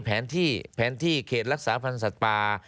แผนที่แผนที่เขตรักษาพันธ์สัตว์ป่า